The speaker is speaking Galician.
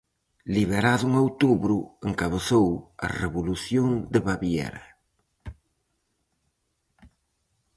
Liberado en outubro, encabezou a Revolución de Baviera.